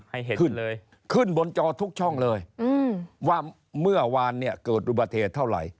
ให้เห็นขึ้นเลยขึ้นบนจอทุกช่องเลยว่าเมื่อวานเนี่ยเกิดอุบัติเหตุเท่าไหร่